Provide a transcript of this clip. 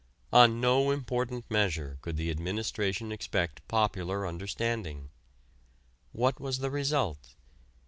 On no important measure could the administration expect popular understanding. What was the result?